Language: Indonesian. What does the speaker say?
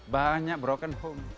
banyak broken home